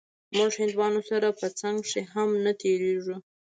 موږ هندوانو سره په څنگ کښې هم نه تېرېږو.